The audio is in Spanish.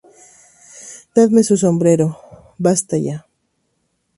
¡ Dadme su sombrero! ¡ basta ya!